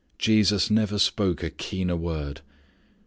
Jesus never spoke a keener word.